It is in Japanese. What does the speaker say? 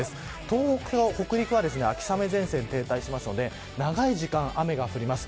東北と北陸は秋雨前線が停滞するので長い時間、雨が降ります。